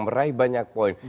meraih banyak poin